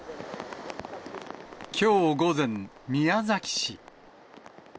きょう午前、宮崎市。